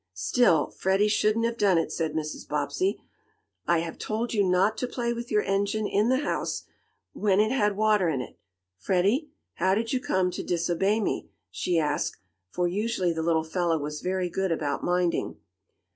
"Still, Freddie shouldn't have done it," said Mrs. Bobbsey. "I have told you not to play with your engine in the house, when it had water in it, Freddie. How did you come to disobey me?" she asked, for usually the little fellow was very good about minding.